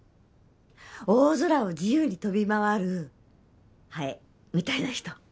大空を自由に飛び回るハエみたいな人。